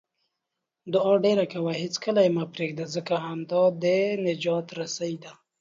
دعاء ډېره کوه، هیڅکله یې مه پرېږده، ځکه همدا د نجات رسۍ ده